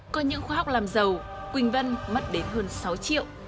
còn những khoa học làm giàu quỳnh vân mất đến hơn sáu triệu